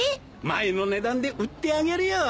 前の値段で売ってあげるよ。